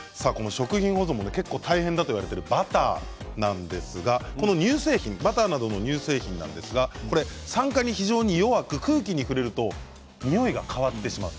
食品保存も結構大変だって言われているバターなんですがバターなどの乳製品酸化に非常に弱く空気に触れるとにおいが変わってしまう。